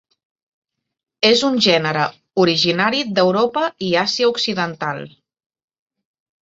És un gènere originari d'Europa i Àsia occidental.